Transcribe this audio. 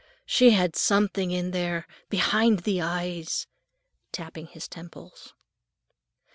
_ She have something in there, behind the eyes," tapping his temples.